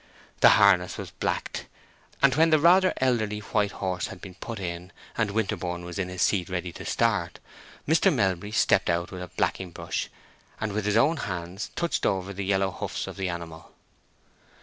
The harness was blacked, and when the rather elderly white horse had been put in, and Winterborne was in his seat ready to start, Mr. Melbury stepped out with a blacking brush, and with his own hands touched over the yellow hoofs of the animal.